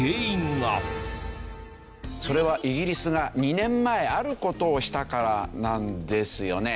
それはイギリスが２年前ある事をしたからなんですよね。